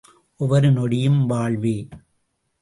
ஒவ்வொரு நொடியும் வாழ்வே!